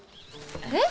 えっ？